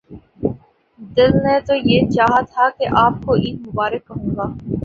دل نے تو یہ چاہا تھا کہ آپ کو عید مبارک کہوں گا۔